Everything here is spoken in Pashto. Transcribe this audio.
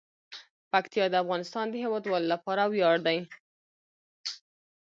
پکتیا د افغانستان د هیوادوالو لپاره ویاړ دی.